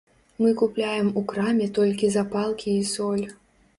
Мы купляем у краме толькі запалкі і соль.